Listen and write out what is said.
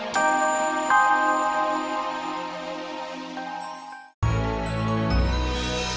sampai jumpa lagi